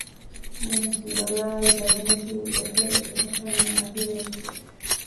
ނަމަވެސް ލޮޔާއި ދަގަނޑަކީ އެތެރެ ނުފެންނަ އަނދިރި އެއްޗެއް